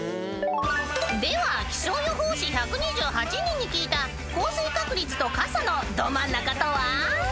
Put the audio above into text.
［では気象予報士１２８人に聞いた降水確率と傘のドマンナカとは］